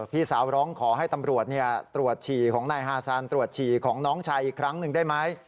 พี่สาวร้องขอให้ตำรวจตรวจฉี่ของนายฮาซานตรวจฉี่ของน้องชายอีกครั้งหนึ่งได้ไหม